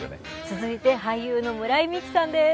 続いて俳優の村井美樹さんです。